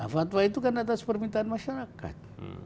fatwa itu kan atas permintaan masyarakat